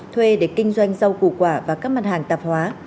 thuê để kinh doanh rau củ quả và các mặt hàng tạp hóa